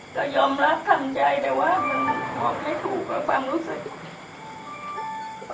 แต่ยอมรับทำใจแต่ว่ามันตอบไม่ถูกกับความรู้สึก